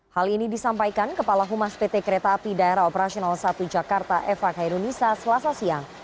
hal ini disampaikan kepala humas pt kereta api daerah operasional satu jakarta eva kairunisa selasa siang